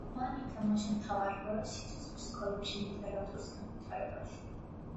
მან ითამაშა მთავარი როლი სიცილიის სკოლებში ლიტერატურის განვითარებაში.